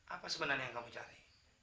apa sebenarnya yang kamu cari